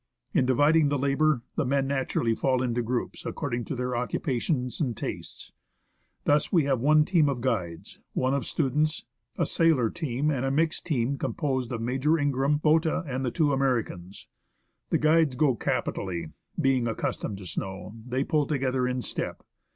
In dividing the labour, the men naturally fall into groups according to their occupa tions and tastes. Thus we have one team of guides, one of students, a sailor team, and a mixed team composed of Major Ingraham, Botta, and two Americans. The guides go capitally ; being accus tomed to snow, they pull together in step.